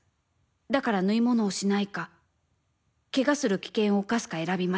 だから縫物をしないかけがをする危険を冒すか選びます。